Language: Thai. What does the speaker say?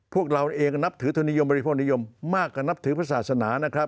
พวกเราเองนับถือธนิยมบริโภคนิยมมากกว่านับถือพระศาสนานะครับ